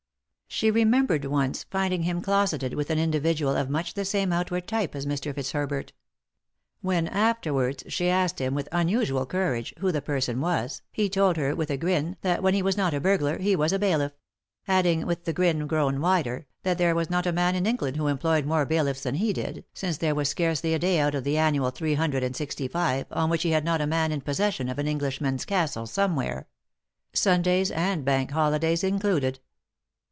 She remembered, once, finding him closeted with an indi vidual of much the same outward type as Mr. Fitz herbert When, afterwards, she asked him, with un usual courage, who the person was, he told her, with a grin, that when he was not a burglar he was a bailiff; adding, with the grin grown wider, that there was not a man in England who employed more bailiffs than he did, since there was scarcely a day out of the annual three hundred and sixty five on which he had not a man in possession of an English man's castle somewhere — Sundays and Bank Holi days included.